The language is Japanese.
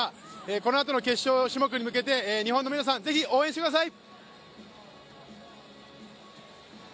このあとの決勝種目に向けて、日本の皆さん、ぜひ応援してください。